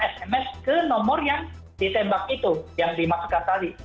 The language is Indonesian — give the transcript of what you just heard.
sms ke nomor yang ditembak itu yang dimaksudkan tadi